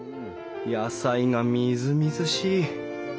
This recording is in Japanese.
野菜がみずみずしい！